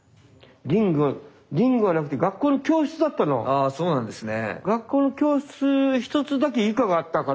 ああそうなんですね。